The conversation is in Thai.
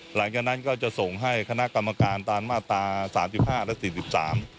หลังจากนั้นก็จะส่งให้คณะกรรมการตามมาตรา๓๕๔๓